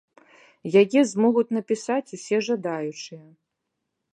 Яе змогуць напісаць усе жадаючыя.